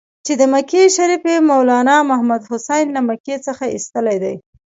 چې د مکې شریف مولنا محمودحسن له مکې څخه ایستلی دی.